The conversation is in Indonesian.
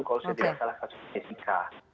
kalau saya tidak salah kasus jessica